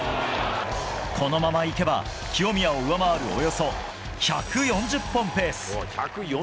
このまま行けば、清宮を上回るおよそ１４０本ペース。